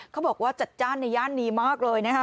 เขาบอกว่าจัดจ้านในย่านนี้มากเลยนะคะ